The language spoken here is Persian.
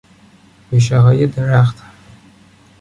ریشههای درخت